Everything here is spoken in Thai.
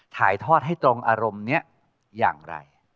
ถ่ายทอดให้ตรงอารมณ์นี้อย่างไร